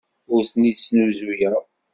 Ur ten-id-snuzuyeɣ.